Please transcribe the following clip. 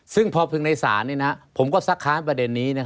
ซึ่งพอพึงในศาลผมก็ซักค้านประเด็นนี้